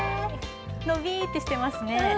伸びってしてますね。